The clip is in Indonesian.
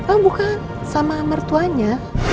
oh bukan sama mertuanya